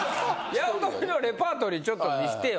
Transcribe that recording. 八乙女のレパートリーちょっと見せてよ。